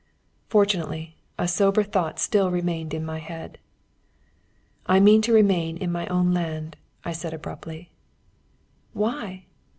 Fortunately, a sober thought still remained in my head. "I mean to remain in my own land," I said abruptly. "Why?"